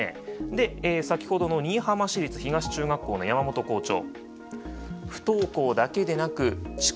で先ほどの新居浜市立東中学校の山本校長。